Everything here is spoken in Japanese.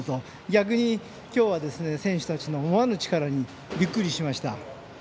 逆に今日は選手たちの思わぬ力にびっくりしました。